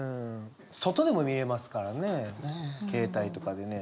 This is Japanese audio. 外でも見れますからね携帯とかでね。